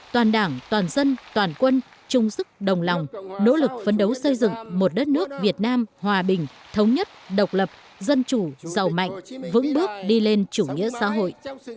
toàn đảng toàn dân toàn quân chung sức đồng lòng nỗ lực phấn đấu xây dựng một đất nước việt nam hòa bình thống nhất độc lập dân chủ giàu mạnh vững bước đi lên chủ nghĩa xã hội